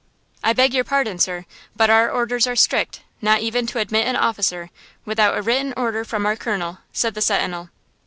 "I beg your pardon, sir, but our orders are strict, not even to admit an officer, without a written order from our Colonel," said the sentinel.